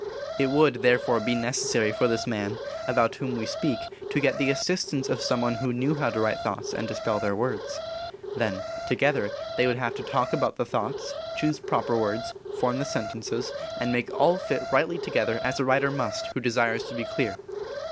It would, therefore, be necessary for this man, about whom we speak, to get the assistance of some one who knew how to write thoughts and to spell their words. Then, together, they would have to talk about the thoughts, choose proper words, form the sentences, and make all fit rightly together as a writer must who desires to be clear.